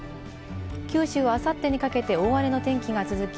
九州はあさってにかけて大荒れの天気が続き、